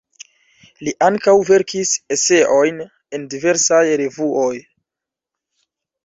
Li ankaŭ verkis eseojn en diversaj revuoj.